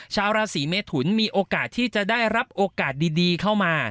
ชาวราศีเมทุนมีโอกาสที่จะได้รับโอกาสดีเข้ามา